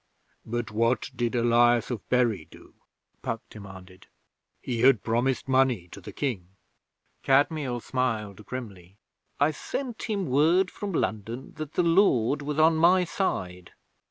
'But what did Elias of Bury do?' Puck demanded. 'He had promised money to the King.' Kadmiel smiled grimly. 'I sent him word from London that the Lord was on my side.